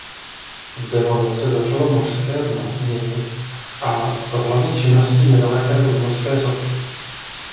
V devonu se začalo mořské dno měnit a to hlavně činností nedaleké podmořské sopky.